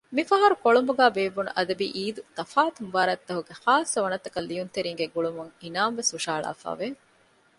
މިފަހަރު ކޮޅުނބުގައި ބޭއްވުނު އަދަބީ އީދުގެ ތަފާތު މުބާރާތްތަކުގެ ޚާއްޞަ ވަނަތަކަށް ލިޔުންތެރީންގެ ގުޅުމުން އިނާމު ވެސް ހުށަހަޅާފައިވެ